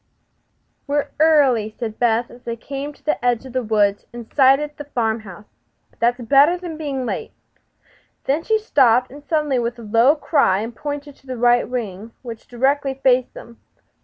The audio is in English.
"We're early," said Beth, as they came to the edge of the woods and sighted the farm house; "but that is better than being late." Then she stopped suddenly with a low cry and pointed to the right wing, which directly faced them.